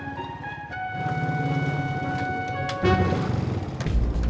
jalan bukan lo yang jalan